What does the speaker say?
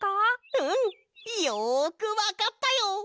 うん！よくわかったよ！